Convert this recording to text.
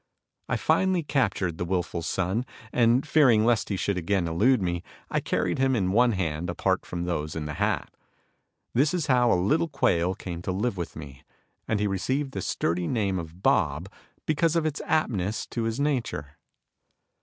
I finally captured the willful son, and fearing lest he should again elude me, I carried him in one hand apart from those in the hat. This is how a little quail came to live with me, and he received the sturdy name of Bob because of its aptness to his nature.